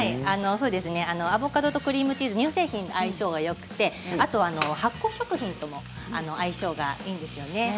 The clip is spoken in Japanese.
アボカドとクリームチーズ乳製品の相性がよくてあと発酵食品とも相性がいいんですね。